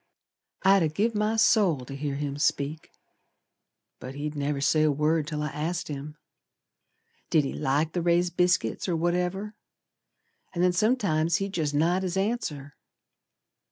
I'd ha' give my soul to hear him speak. But he'd never say a word till I asked him Did he like the raised biscuits or whatever, An' then sometimes he'd jest nod his answer.